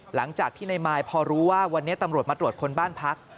หลังจากที่ในมายพอรู้ว่าวันนี้ตำรวจมาตรวจคนบ้านพัก